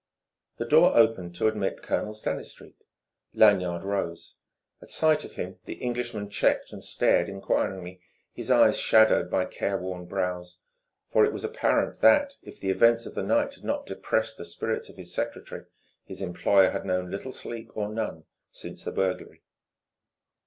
The door opening to admit Colonel Stanistreet, Lanyard rose. At sight of him the Englishman checked and stared enquiringly, his eyes shadowed by careworn brows; for it was apparent that, if the events of the night had not depressed the spirits of the secretary, his employer had known little sleep or none since the burglary.